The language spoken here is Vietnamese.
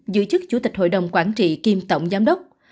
giữ chức chủ tịch hội đồng quản trị kiêm tổng giám đốc